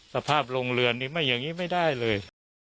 สภาพโรงเรือนอย่างนี้ไม่ได้เลย